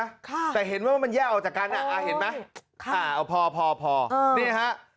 ค่ะแต่เห็นว่ามันแยกออกจากกันอ่ะอ่าเห็นไหมค่ะอ่าเอาพอพอพอนี่ฮะ